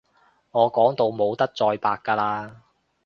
我講到冇得再白㗎喇